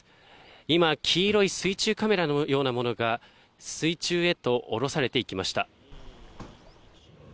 今、黄色い水中カメラのようなものが水中へと降ろされていきました。